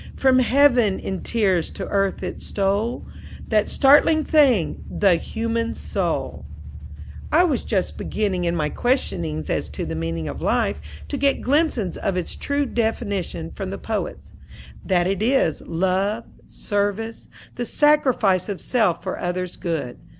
From heaven in tears to earth it stole That startling thing, the human soul." I was just beginning, in my questionings as to the meaning of life, to get glimpses of its true definition from the poets, that it is love, service, the sacrifice of self for others' good.